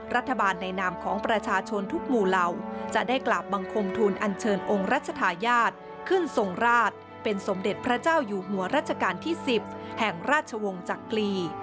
รัฐบาลในนามของประชาชนทุกหมู่เหล่าจะได้กราบบังคมทูลอันเชิญองค์รัชธาญาติขึ้นทรงราชเป็นสมเด็จพระเจ้าอยู่หัวรัชกาลที่๑๐แห่งราชวงศ์จักรี